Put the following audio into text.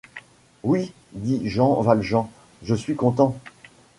Oui, dit Jean Valjean, je suis content.